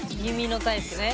弓のタイプね。